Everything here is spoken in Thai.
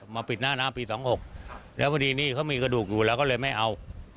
ปิดหน้าน้ำปี๒๖แล้วพอดีนี่เขามีกระดูกอยู่แล้วก็เลยไม่เอา